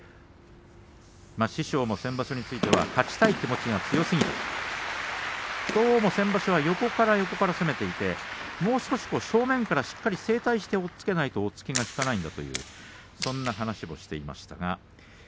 師匠も先場所については勝ちたい気持ちが強すぎた横から横から攻めていってもう少し正面からいかないと押っつけが効かないんだとか、そんな話もしていました。